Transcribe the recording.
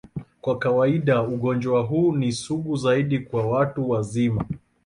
Kwa kawaida, ugonjwa huu ni sugu zaidi kwa watu wazima.